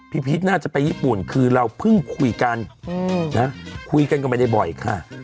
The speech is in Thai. พีชน่าจะไปญี่ปุ่นคือเราเพิ่งคุยกันคุยกันก็ไม่ได้บ่อยค่ะ